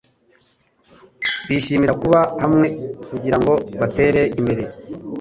Bishimira kuba hamwe kugirango batere imbere.